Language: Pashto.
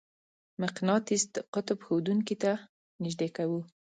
مقناطیس قطب ښودونکې ته نژدې کوو.